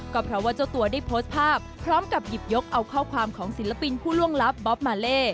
ก็เพราะว่าเจ้าตัวได้โพสต์ภาพพร้อมกับหยิบยกเอาข้อความของศิลปินผู้ล่วงลับบ๊อบมาเล่